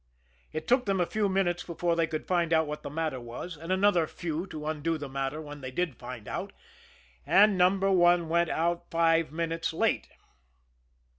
It took them a few minutes before they could find out what the matter was, and another few to undo the matter when they did find out and No. 1 went out five minutes late.